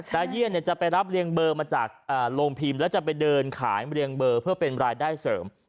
เยี่ยนจะไปรับเรียงเบอร์มาจากโรงพิมพ์แล้วจะไปเดินขายเรียงเบอร์เพื่อเป็นรายได้เสริม